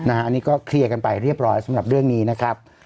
อันนี้ก็เคลียร์กันไปเรียบร้อยสำหรับเรื่องนี้นะครับ